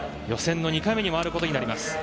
予選の２回目に回ることになります。